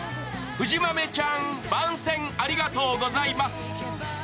藤豆ちゃん、番宣ありがとうございます！